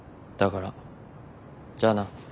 だからじゃあな。